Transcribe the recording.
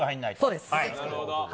そうです。